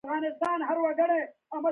ایا زما غاړه به ښه شي؟